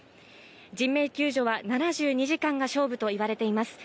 人命救助は７２時間が勝負と言われています。